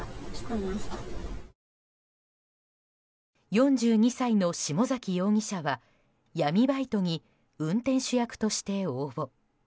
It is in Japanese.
４２歳の下崎容疑者は闇バイトに運転手役として応募。